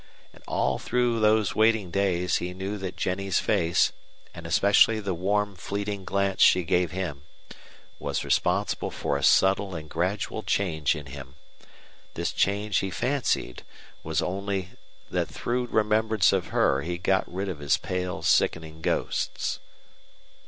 And all through those waiting days he knew that Jennie's face, and especially the warm, fleeting glance she gave him, was responsible for a subtle and gradual change in him. This change he fancied, was only that through remembrance of her he got rid of his pale, sickening ghosts.